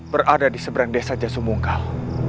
berada di seberang desa jasumungkal